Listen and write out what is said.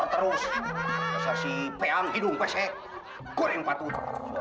terus si peang hidung pesek goreng patut